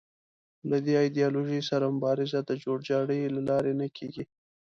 له دې ایدیالوژۍ سره مبارزه د جوړ جاړي له لارې نه کېږي